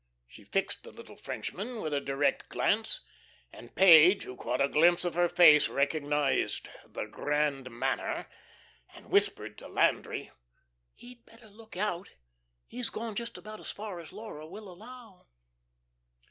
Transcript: She fixed the little Frenchman with a direct glance, and Page, who caught a glimpse of her face, recognised "the grand manner," and whispered to Landry: "He'd better look out; he's gone just about as far as Laura will allow."